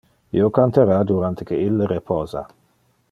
Io cantara durante que ille reposa.